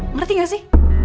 ngerti gak sih